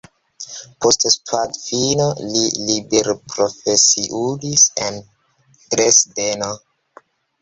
Post studadfino li liberprofesiulis en Dresdeno.